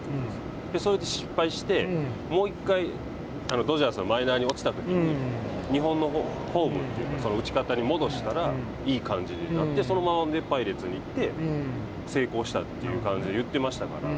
それで失敗して、もう１回ドジャースのマイナーに落ちたときに日本のフォームというか、打ち方に戻したらいい感じになってそのままパイレーツに行って、成功したという感じで言ってましたから。